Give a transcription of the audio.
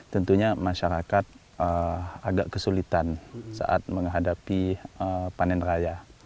tentunya masyarakat agak kesulitan saat menghadapi panen raya